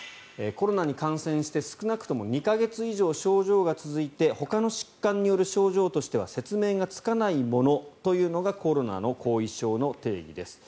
コロナに感染して少なくとも２か月以上症状が続いてほかの疾患による症状としては説明がつかないものというのがコロナの後遺症の定義です。